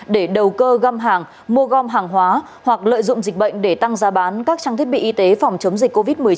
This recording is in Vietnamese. để đầu cơ găm hàng mua gom hàng hóa hoặc lợi dụng dịch bệnh để tăng giá bán các trang thiết bị y tế phòng chống dịch covid một mươi chín